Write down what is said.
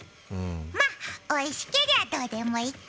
まっ、おいしけりゃ、どうでもいっか！